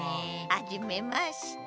はじめまして。